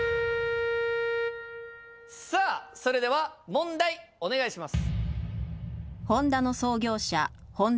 さあそれでは問題お願いします。